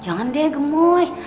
jangan deh gemoy